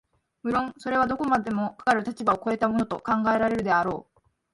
無論それはどこまでもかかる立場を越えたものと考えられるであろう、